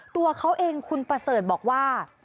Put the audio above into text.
ตัวเขาเองคุณประเสริฐบอกว่า